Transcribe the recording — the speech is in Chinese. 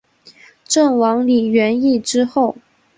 郑王李元懿之后。